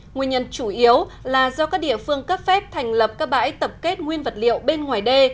nguyên nhân chủ yếu là do các địa phương cấp phép thành lập các bãi tập kết nguyên vật liệu bên ngoài đê